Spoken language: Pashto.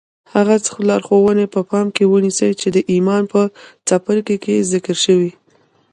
هغه لارښوونې په پام کې ونيسئ چې د ايمان په څپرکي کې ذکر شوې.